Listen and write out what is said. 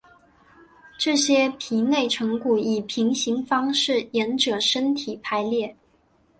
这些皮内成骨以平行方式沿者身体排列。